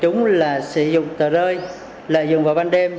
chúng là sử dụng tờ rơi lợi dụng vào ban đêm